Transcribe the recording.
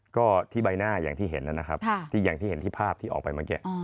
ก็ที่ใบหน้าอย่างที่เห็นนะครับที่อย่างที่เห็นที่ภาพที่ออกไปเมื่อกี้